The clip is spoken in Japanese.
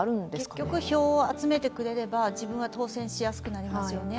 結局、票を集めてくれれば、自分は当選しやすくなりますよね。